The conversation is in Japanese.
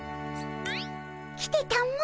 来てたも。